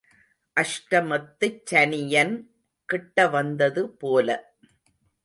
அஷ்டமத்துச் சனியன் கிட்ட வந்தது போல.